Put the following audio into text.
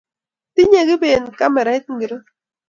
Tinyei kibet kamerait ngiro?